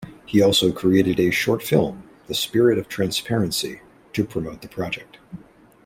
He also created a short film, "The Spirit of Transparency", to promote the project.